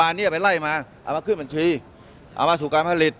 อันนี้ไปไล่มาเอามาขึ้นบัญชีเอามาสู่การผลิต